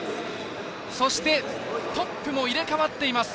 そして、トップも入れ替わっています。